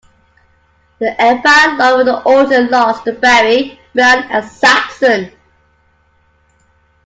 The Empire along with Orton lost to Barry, Brown, and Saxon.